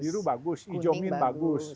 biru bagus ijomin bagus